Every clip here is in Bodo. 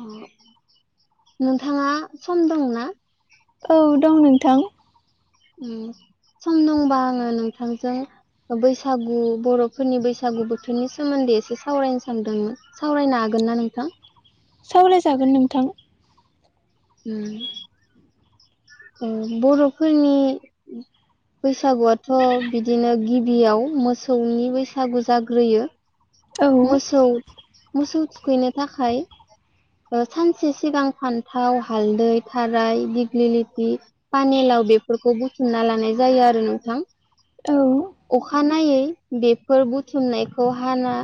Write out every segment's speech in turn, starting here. अ नोंथाङा सम दंना? औ दं नोंथां। उम सम दंबा आङो नोंथांजों ओ बैसागु बर'फोरनि बैसागु बोथोरनि सोमोन्दै एसे सावरायनो सानदोंमोन। सावरायनो हागोन ना नोंथां? सावरायजागोन नोंथां। उम उम बर'फोरनि बैसागुआथ' बिदिनो गिबियाव मोसौनि बैसागु जाग्रोयो औ मोसौ मोसौ थुखैनो थाखाय ओ सानसे सिगां फान्थाव हालदै थाराय दिग्लिलिथि पानेलाव बेफोरखौ बुथुमना लानाय जायो आरो नोंथां। औ अखानायनायै बेफोर बुथुमनायखौ हाना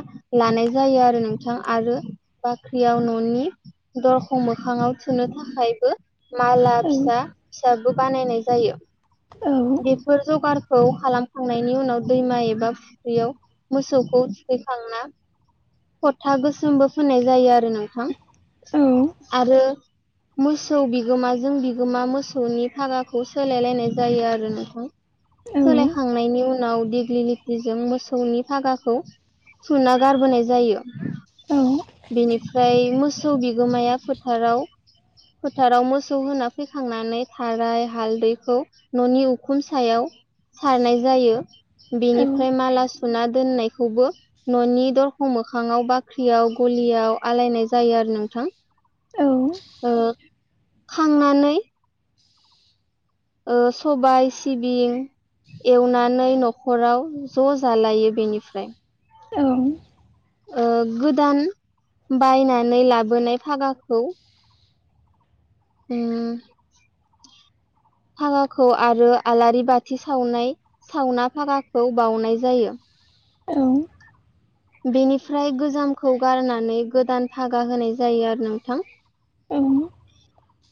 लानाय जायो आरो नोंथां आरो बाख्रियाव न'नि दरखं मोखाङाव थुनो थाखायबो माला औ फिसा फिसाबाबो बानायनाय जायो। औ बेफोर जगारखौ खालामखांनायनि उनाव दैमा एबा फुख्रियाव मोसौखौ थुखैखांना फथा गोसोमबो फोननाय जायो आरो नोंथां औ आरो मोसौ बिगोमाजों बिगोमा मोसौनि भागाखौ सोलायलायनाय जायो आरो आरो नोंथां औ सोलायखांनायनि उनाव दिग्लि लितिजों मोसौनि फागाखौ थुना गारबोनाय जायो। औ बिनिफ्राय मोसौ बिगोमाया फोथाराव फोथाराव मोसौ होना फैखांनानै थाराय हालदैखौ न'नि उखुम सायाव सारनाय जायो बेनिफ्राय माला सुना दोननायखौबो न'नि दरखं मोखाङाव बाख्रियाव गलियाव आलायनाय जायो आरो नोंथां औ ओ खांनानै ओ सबाय सिबिं एवनानै न'खराव ज'जालायो बेनिफ्राय औ ओ गोदान बायनानै लाबोनाय फागाखौ उम फागाखौ आरो आलारि बाथि सावनाय सावना फागाखौ बावनाय जायो। बेनिफ्राय गोजामखौ गारनानै गोदान फागा होनाय जायो आरो नोंथां ओं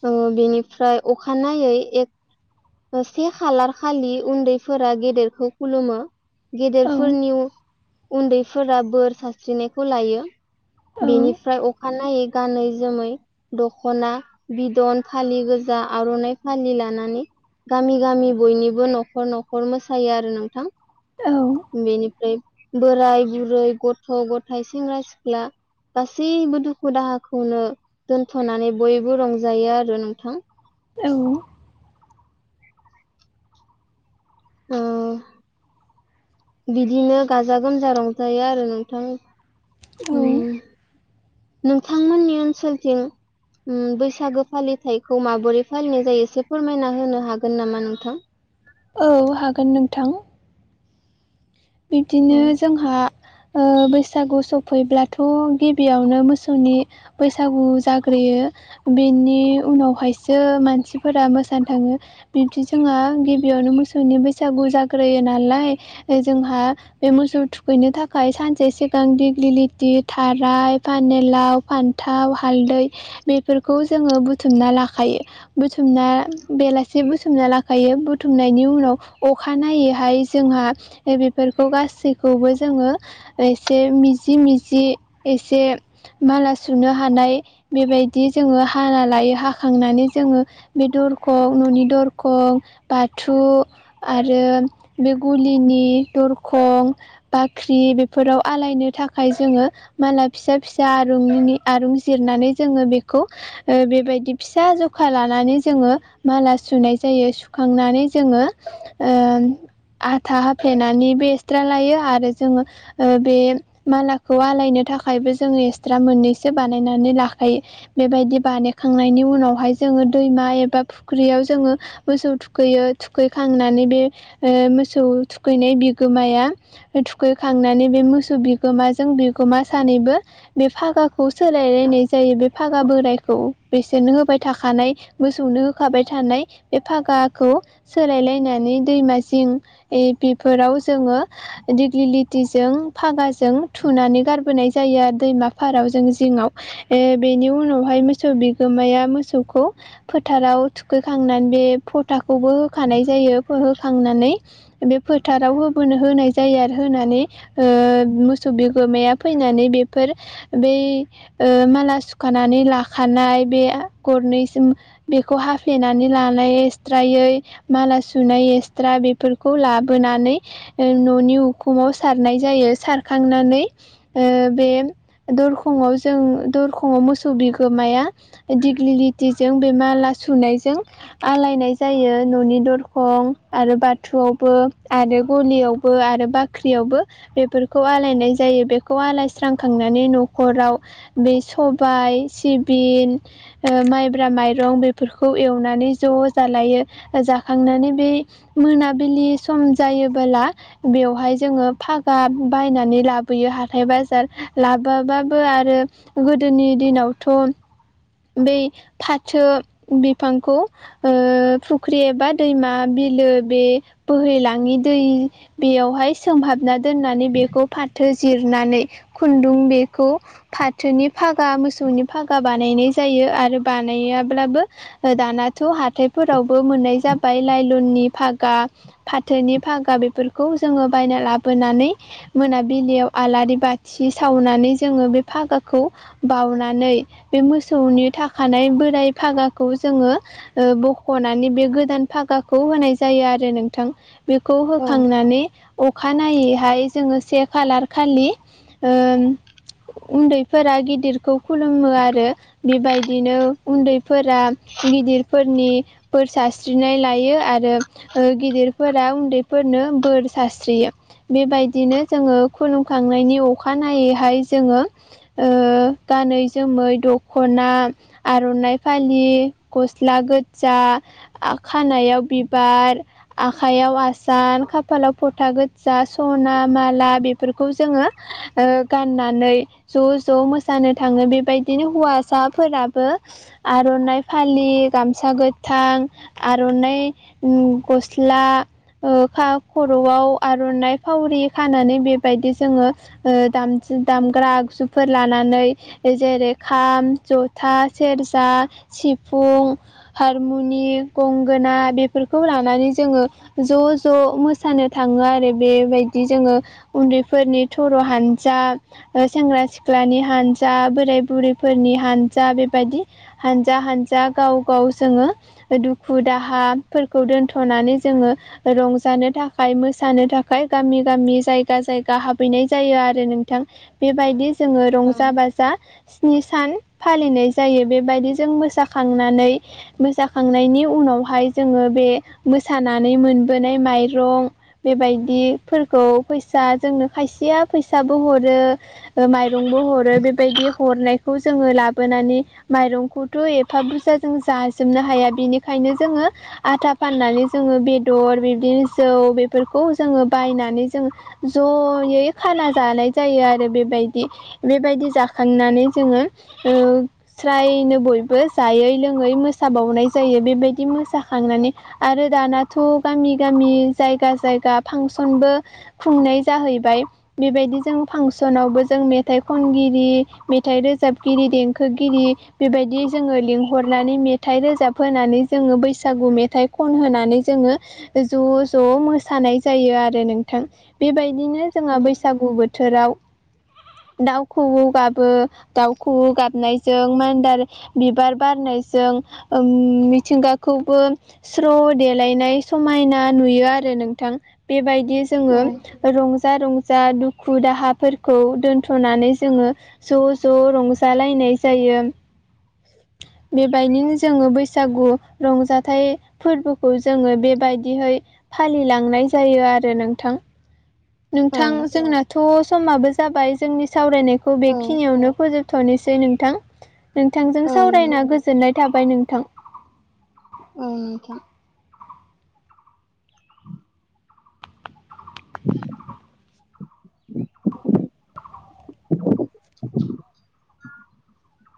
ओ बेनिफ्राय अखानायै एक से खालार खालि उन्दैफोरा गेदेरखौ खुलुमो गेदेरफोरनि उन्दैफोरा बोर सारस्रिनायखौ लायो। बेनिफ्राय अखानायै गानै जोमै दखना बिदन फालि गोजा आर'नाइ फालि लानानै गामि गामि बयनिबो न'खर न'खर मोसायो आरो नोंथां। बेनिफ्राय बोराय बुरै गथ' गथायाइ सेंग्रा सिख्ला गासैबो दुखु दाहाखौनो दोनथ'नानै बयबो रंजायो आरो नोंथां औ [inaudible] ओ बिदिनो गाजा गोमजा रंजायो आरो नोंथां उम। औ नोंथांमोननि ओनसोलथिं ओम बैसागो फालिथायखौ माबोरै फालिनाय जायो एसे फोरमायना होनो हागोन नामा नोंथां? औ हागोन नोंथां औ बिब्दिनो जोंहा ओ बैसागु सफैब्लाथ' गिबियावनो मोसौनि बैसागु जाग्रोयो बेनि उनावहायसो मानसिफोरा मोसानो थाङो। बिबदि जोंहा गिबियावनो मोसौनि बैसागु जाग्रोयो नालाय जोंहा बे मोसौ थुखैनो थाखाय थाखाय सानसे सिगां दिग्लिलिथि थाराय फानिलाव फान्थाव हालदै बेफोरखौ जोङो बुथुमना लाखायो। बुथुमना बेलासे बुथुमना लाखायो बुथुमनायनि उनाव अखा नायैहाय जोंहा बेफोरखौ गासैखौबो जोङो एसे मिजि मिजि एसे माला सुनो हानाय बेबायदि जोङो हाना लायो हाखांनानै जोङो बे दरखं न'नि दरखं बाथौ आरो बे गुलिनि दरखं बाख्रि बेफोराव आलायनो थाखाय जोङो माला फिसा फिसा आरु आरुं जिरनानै जोङो बेखौ ओ बेबायदि फिसा जखा लानानै जोङो माला सुनाय जायो सुखांनानै जोङो ओ आथा फेनानैबो एक्सट्रा लायो आरो जोङो बे मालाखौ आलायनो थाखायबो जोङो एक्सट्रा मोननैसो बानायनानै लाखायो बेबायदि बानायखांनायनि उनावहाय जोङो दैमा एबा फुख्रियाव जोङो मोसौ थुखैयो थुखैखांनानै बे मोसौ थुखैनाय बिगोमाया थुखैखांनानै बे मोसौ बिगोमाजों बिगोमा सानैबो बे फागाखौ सोलायलायनाय जायो बे फागा बोरायखौ बिसोरनो होबाय थाखानाय मोसौनो होखाबाय थानाय बे फागाखौ सोलायलायनानै दैमासिम बेफोराव जोङो दिग्लिलिथिजों फागाजों थुनानै गारबोनाय जायो दैमा फाराव जों जिङाव ए बेनि उनावहाय मोसौ बिगोमाया मोसौखौ फोथाराव थुखैखांनानै बे फथाखौबो होखानाय जायो होखांनानै बे फोथाराव होनो होनाय जायो आरो होनानै ओ मोसौ बिगोमाया फैनानै बेफोर बै ओ माला सुखानानै लाखानाय बे गरनैसिम बेखौ हाफ्लेनानै लानाय एक्सट्रायै माला सुनाय एक्सट्रा बेफोर खौ लाबोनानै न'नि उखुमाव सारनाय जायो सारखांनानै ओ बे दरखंआव जों दरखंआव मोसौ बिगोमाया दिग्लिलिटिजों बे माला सुनायजों आलायनाय जायो न'नि दरखं आरो बा बाथुआवबो आरो गलियावबो आरो बाख्रियावबो बेफोरखौ आलायनाय जायो बेखौ आलायस्रांखांनानै न'खराव बे सबाय सिबिं ओ माइब्रा माइरं बेफोरखौ एवनानै ज' जालायो जाखांनानै बे मोनाबिलि सम जायोबोला बेवहाय जोङो फागा बायनानै लाबोयो हाथाय बाजार लाबोआबाबो आरो गोदोनि दिनावथ' बै फाथो बिफांखौ ओ-फुख्रि एबा दैमा बिलो बोहलाङनि दै बेयावहाय सोंहाबना दोननानै बेखौ फाथो जिरनानै खुन्दुं बेखौ फाथोनि फागा मोसौनि फागा बानायनाय जायो आरो बानायाब्लाबो दानाथ' हाथायफोरावबो मोननाय जाबाय लाइलननि फाग गा फाथोनि भागा बेफोरखौ जोङो बायना लाबोनानै मोनाबिलियाव आलारि बाथि सावनानै जोङो बे फागाखौ उनानै बे मोसौनि थाखानाय बोराय फागाखौ जोङो ओ बख'नानै बे गोदान फागाखौ होनाय जा जायो आरो नोंथां बेखौ औ होखांनानै अखानायैहाय जोङो से खालार खालि उन्दैफोरा गिदिरखौ खुलुमो आरो बेबायदिनो उन्दैफोरा गिदिरफोरनि बोर सारस्रिनाय लायो आरो ओ-गिदिरफोरा उन्दैफोरनो बोर सास्रियो। बेबायदिनो जोङो खुलुमखांनायनि अखानायैहाय जोङो ओ-गानै जोमै दख'ना आर'नाइ फालि गस्ला गोजा आ-खानायाव बार आखायाव आसान खाफालाव फथा गोजा सना माला बेब फोरखौ जोङो ओ- गाननानै ज'-ज' मोसानो थाङो बेबायदिनो हौवासाफोराबो आर'नाइ फालि गामसा गोथां आर'नाइ उम गसला ओ-खा-खर'आव आर'नाइ फावरि खानानै बेबायदि जोङो ओ-दाम-दामग्रा आगजुफोर लानानै जेरै खाम जथा सेरजा सिफुं हारमुनि गंगोना बेफोरखौ लानानै जोङो ज'-ज' मोसानो थाङो आरो बेबायदि जोङो उन्दै फोरनि थर' हानजा सेंग्रा-सिख्लानि हानजा बोराय-बुरैफोरनि हान जा बेबायदि हानजा-हानजा गाव-गाव जोङो दुखु-दाहा फोरखौ दोनथ'नानै जोङो रंजानो थाखाय मोसानो थाखाय गामि-गामि जायगा-जायगा हाबहैनाय जायो आरो नोंथां। बेबायदि जोङो औ रंजा-बाजा स्नि सान फालिनाय जायो बेबायदि जों मोसाखांनानै मोसाखांनायनि उनावहाय जोङो बे मोसानानै मोनबोनाय माइरं बेबायदिफोरखौ फैसा जोंनो खायसेया फैसाबो हरो ओ- माइरंबो हरो बेबायदि हरनायखौ जोङो लाबोनानै माइरंखौथ' एफा बुरजा जों जाजोबनो हाया बेनिखायनो जोङो आथा फाननानै जोङो बेदर बिब्दिनो जौ बेफोरखौ जोङो बायनानै जों जयै खाना जानाय जायो आरो बेबायदि। बेबायदि जाखांनानै जोङो ओ- स्रायनो बयबो जायै लोङै मोसाबावनाय जायो बेबायदि मोसा खांनानै आरो दानाथ' गामि-गामि जायगा जायगा फांसनबो। खुंनाय जाहैबाय बेबायदि जों फांसनावबो जों मेथाइ खनगिरि। मेथाइ रोजाबगिरि देंखोगिरि बेबायदि जोङो लिंहरनानै मेथाइ रोजाब होनानै जोङो बै सागु मेथाइ खन होनानै जोङो ज'-ज' मोसानाय जायो आरो नोंथां। बेबायदिनो जोंहा बैसागु बोथोराव। दाउ खौवौ गाबो दाउखौवौ गाबनायजों मानदार बिबार बारनायजों उम मिथिंगा खौबो स्र' देलायनाय समायना नुयो आरो नोंथां बेबायदि जोङो औ रंजा-रंजा दुखु-दाहाफोरखौ दोनथ'नानै जोङो ज'-ज' रंजालायनाय जायो। बेबायदिनो जोङो बैसागु रंजाथाइ फोरबोखौ जोङो बेबायदिहै फालिलांनाय जायो आरो नोंथां। औ नोंथां जोंनाथ' समाबो जाबाय जोंनि सावरायनायखौ औ बेखिनियावनो फोजोब थ'नोसै नोंथां नोंथांजों औ सावरायना औ गोजोननाय थाबाय नोंथां। औ नोंथां। [unintelligible] [inaudible] [unintelligible] [inaudible]